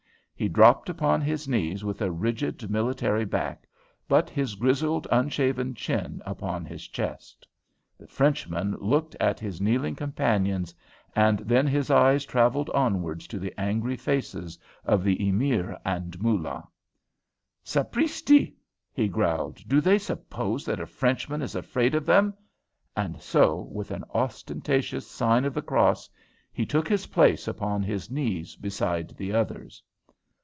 He dropped upon his knees with a rigid, military back, but his grizzled, unshaven chin upon his chest. The Frenchman looked at his kneeling companions, and then his eyes travelled onwards to the angry faces of the Emir and Moolah. "Sapristi!" he growled. "Do they suppose that a Frenchman is afraid of them?" and so, with an ostentatious sign of the cross, he took his place upon his knees beside the others.